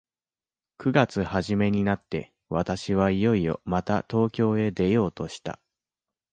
九月始めになって、私はいよいよまた東京へ出ようとした。